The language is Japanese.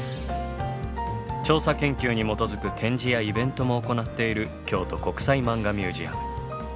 調査研究に基づく展示やイベントも行っている京都国際マンガミュージアム。